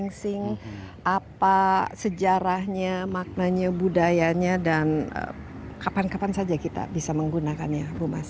gengsing apa sejarahnya maknanya budayanya dan kapan kapan saja kita bisa menggunakannya bu mas